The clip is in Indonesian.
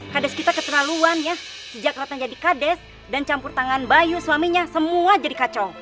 kades kita keterlaluan ya sejak rata jadi kades dan campur tangan bayu suaminya semua jadi kacau